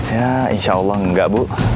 ya insya allah enggak bu